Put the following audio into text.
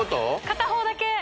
片方だけ！